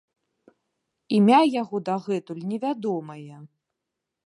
Імя яго дагэтуль невядомае.